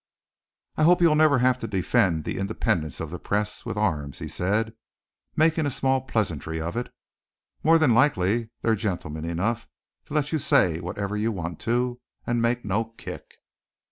"I hope you'll never have to defend the independence of the press with arms," he said, making a small pleasantry of it. "More than likely they're gentlemen enough to let you say whatever you want to, and make no kick."